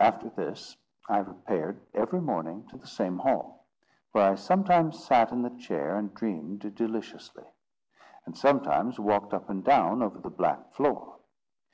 After this, I repaired every morning to the same hall; where I sometimes sat in the chair and dreamed deliciously, and sometimes walked up and down over the black floor.